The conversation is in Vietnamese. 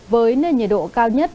với nền nhiệt độ cao nhất